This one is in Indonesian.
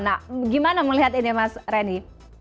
nah gimana melihat ini mas reni